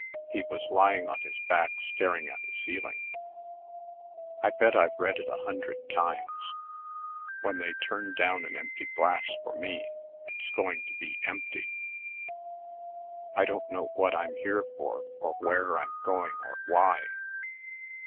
He was lying on his back staring at the ceiling. "I bet I've read it a hundred times. When they turn down an empty glass for me, it's going to be empty. I don't know what I'm here for or where I'm going or why.